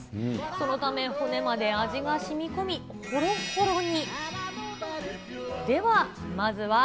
そのため、骨まで味がしみこみ、ほろほろに。